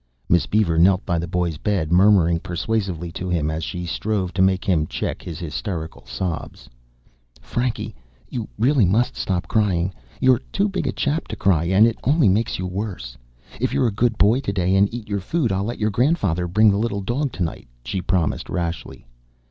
Miss Beaver knelt by the boy's bed, murmuring persuasively to him as she strove to make him check his hysterical sobs. "Frankie, you really must stop crying. You're too big a chap to cry and it only makes you worse. If you're a good boy to day and eat your food, I'll let your grandfather bring the little dog tonight," she promised rashly.